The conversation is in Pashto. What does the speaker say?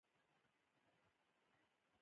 • بخښنه کینه ختموي.